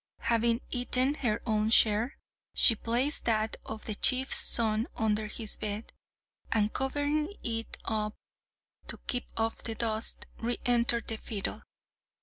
Having eaten her own share, she placed that of the chief's son under his bed, and covering it up to keep off the dust, re entered the fiddle.